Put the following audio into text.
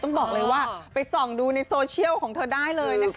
ต้องบอกเลยว่าไปส่องดูในโซเชียลของเธอได้เลยนะคะ